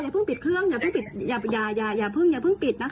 ผู้อำนวยการโรงเรียน